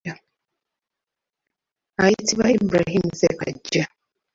Ayitibwa Ibrahin Ssekaggya.